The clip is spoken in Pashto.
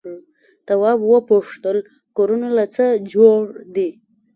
تواب وپوښتل کورونه له څه جوړ دي؟